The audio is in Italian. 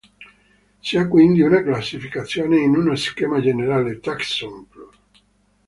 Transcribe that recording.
Si ha quindi una classificazione in uno schema generale: "Taxon", plur.